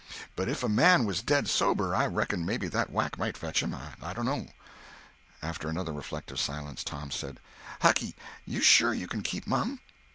But if a man was dead sober, I reckon maybe that whack might fetch him; I dono." After another reflective silence, Tom said: "Hucky, you sure you can keep mum?"